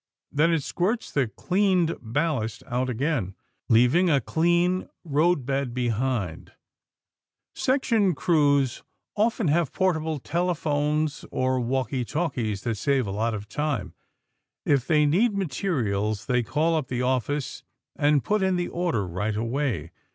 Then it squirts the cleaned ballast out again, leaving a clean roadbed behind. Section crews often have portable telephones or walkie talkies that save a lot of time. If they need materials, they call up the office and put in the order right away.